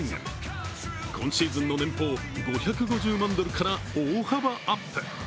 今シーズンの年俸５５０万ドルから大幅アップ。